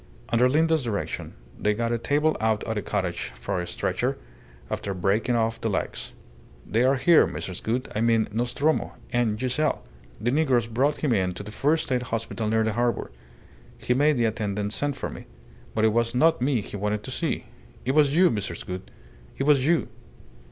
Under Linda's direction they got a table out of the cottage for a stretcher, after breaking off the legs. They are here, Mrs. Gould. I mean Nostromo and and Giselle. The negroes brought him in to the first aid hospital near the harbour. He made the attendant send for me. But it was not me he wanted to see it was you, Mrs. Gould! It was you."